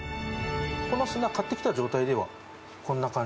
この砂買ってきた状態ではこんな感じ。